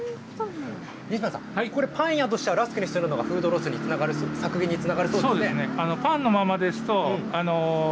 西村さん、これ、パン屋としてはラスクにすることがフードロスにつながる、削減にそうですね。